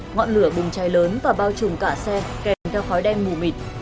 ngọn lửa bùng cháy lớn và bao trùm cả xe kèm theo khói đen mù mịt